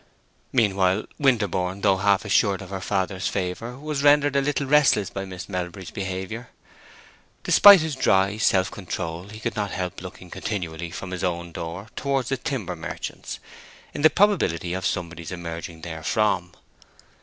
Meanwhile, Winterborne, though half assured of her father's favor, was rendered a little restless by Miss Melbury's behavior. Despite his dry self control, he could not help looking continually from his own door towards the timber merchant's, in the probability of somebody's emergence therefrom.